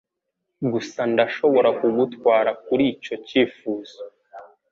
Gusa ndashobora kugutwara kuri icyo cyifuzo.